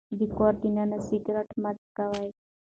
د کور دننه سګرټ مه څکوئ.